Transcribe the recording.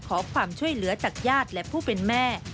ขอความช่วยเหลือจากญาติและผู้เป็นแม่